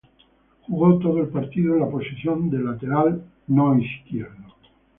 Jugó todo el partido en la posición de lateral derecho.